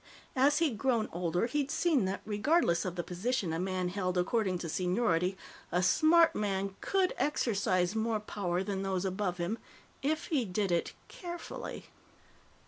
As he'd grown older, he'd seen that, regardless of the position a man held according to seniority, a smart man could exercise more power than those above him if he did it carefully.